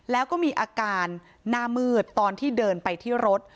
แล้วก็มีอาการหน้ามืดตอนที่เดินไปที่รถ